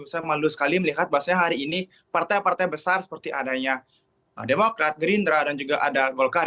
saya malu sekali melihat bahwasannya hari ini partai partai besar seperti adanya demokrat gerindra dan juga ada golkar